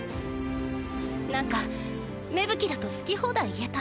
なんか芽吹だと好き放題言えた。